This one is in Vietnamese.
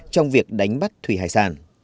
trong việc đánh bắt thủy hải sản